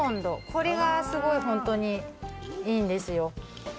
これがすごいホントにいいんですよ